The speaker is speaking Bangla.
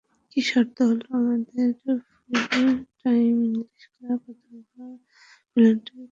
কিন্তু শর্ত হলো আমাদের ফুলটাইম ইংলিশ ক্লাস অথবা ভলেন্টারি কাজ করতে হবে।